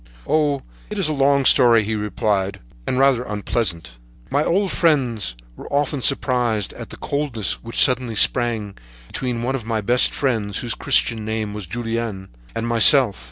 "Oh, it is a long story," he replied; "a rather sad and unpleasant story. "My old friends were often surprised at the coldness which suddenly sprang up between one of my best friends whose Christian name was Julien, and myself.